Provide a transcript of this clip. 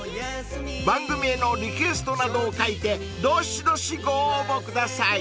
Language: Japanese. ［番組へのリクエストなどを書いてどしどしご応募ください］